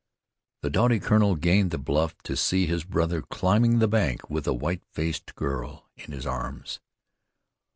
The doughty colonel gained the bluff to see his brother climbing the bank with a white faced girl in his arms.